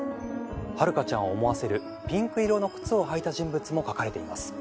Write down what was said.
「遥香ちゃんを思わせるピンク色の靴を履いた人物も描かれています」